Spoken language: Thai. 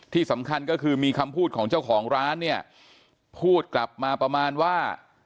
ที่สำคัญก็คือมีคำพูดของเจ้าของร้านเนี่ยพูดกลับมาประมาณว่า